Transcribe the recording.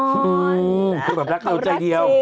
คือแบบรักเราใจเดียว